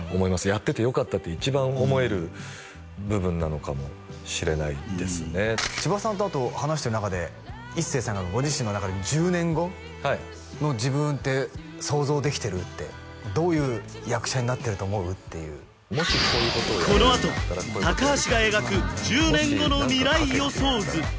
やっててよかったって一番思える部分なのかもしれないですね千葉さんとあと話してる中で一生さんがご自身の中で１０年後の自分って想像できてる？ってどういう役者になってると思う？っていうこのあと高橋が描く１０年後の未来予想図ただいま。